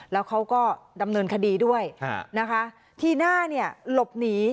แล้วเขาก็ดำเนินคดีด้วยนะคะทีหน้าเนี่ยหลบหนี